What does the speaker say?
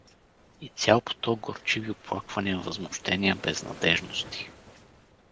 И цял поток горчиви оплаквания, възмущения, безнадеждности.